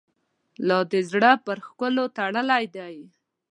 لا دي زړه پر ښکلو تړلی دی.